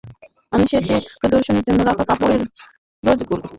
মানুষের চাপে প্রদর্শনীর জন্য রাখা কাপড়ের রোলগুলো প্রায় দেখাই যায় না।